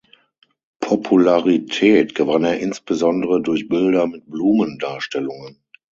Popularität gewann er insbesondere durch Bilder mit Blumen-Darstellungen.